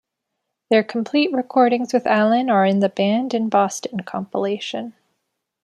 Their complete recordings with Allin are on the Banned in Boston compilation.